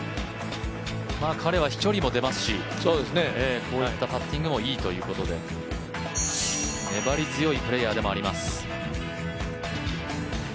彼は飛距離も出ますしこういったパッティングもいいということで粘り強いプレーヤーでもあります。